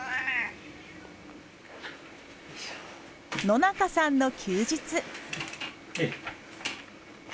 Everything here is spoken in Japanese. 野中さんの休日。